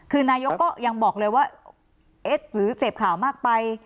คือนายกก็ยังบอกเลยว่าเอ๊ะหรือเสพข่าวมากไป